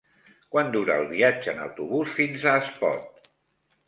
Quant dura el viatge en autobús fins a Espot?